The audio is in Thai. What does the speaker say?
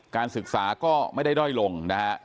การศึกษาก็ไม่ได้ด้อยลงนะฮะ